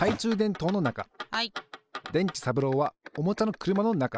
でんちさぶろうはおもちゃのくるまのなか。